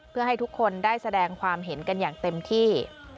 เพื่อให้ทุกคนได้แสดงความเห็นกันอย่างเต็มที่